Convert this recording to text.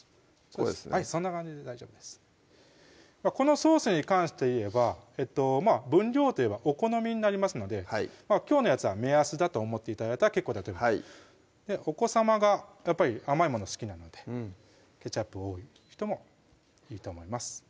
こうですねはいそんな感じで大丈夫ですこのソースに関していえば分量でいえばお好みになりますのできょうのやつは目安だと思って頂いたら結構だとお子さまがやっぱり甘いもの好きなのでケチャップ多い人もいいと思います